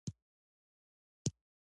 لینین سره وکتل.